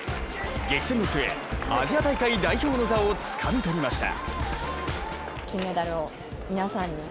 激戦の末、アジア大会代表の座をつかみ取りました。